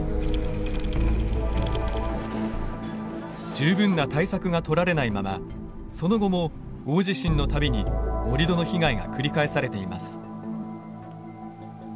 十分な対策がとられないままその後も大地震の度に盛土の被害が繰り返されています。